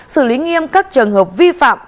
xử lý nghiêm các trường hợp vi phạm